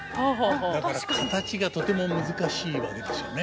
だから形がとても難しいわけですよね。